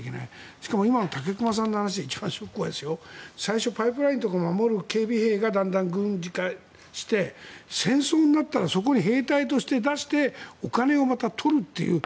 しかも今の武隈さんの話で一番ショックなのは最初、パイプラインとかを守る警備兵がだんだん軍事化して戦争になったらそこに兵隊として出してお金をまた取るという。